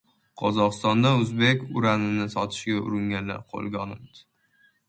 Qozog‘istonda o‘zbek uranini sotishga uringanlar qo‘lga olindi